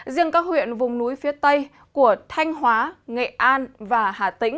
riêng các huyện vùng núi phía tây của thanh hóa nghệ an và hà tĩnh